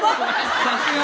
さすが！